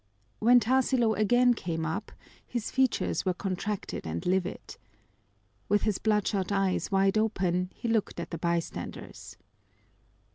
When Tarsilo again came up his features were contracted and livid. With his bloodshot eyes wide open, he looked at the bystanders.